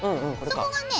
そこがね